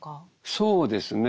そうですね。